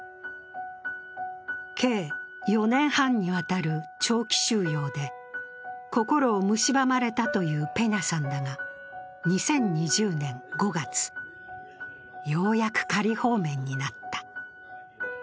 計４年半にわたる長期収容で心をむしばまれたというペニャさんだが、２０２０年５月、ようやく仮放免になった。